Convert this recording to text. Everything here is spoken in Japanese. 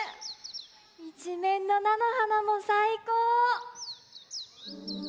いちめんのなのはなもさいこう！